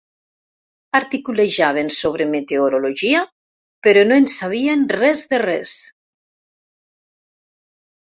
Articulejaven sobre meteorologia, però no en sabien res de res.